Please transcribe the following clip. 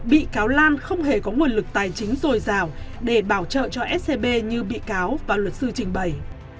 bị cáo lan không hề có nguồn lực tài chính dồi dào để bảo trợ cho scb như bị cáo và luật sư trình bày